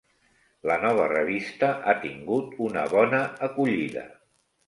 La nova revista ha tingut una bona acollida.